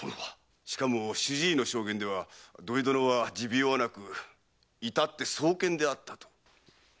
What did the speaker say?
しかも主治医の証言では土井殿は持病はなくいたって壮健であったと。